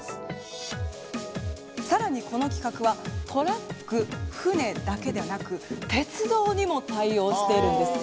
更にこの規格はトラック船だけでなく鉄道にも対応しているんです。